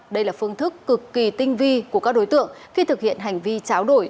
đây là phương thức cực kỳ tinh vi của các đối tượng khi thực hiện hành vi cháo đổi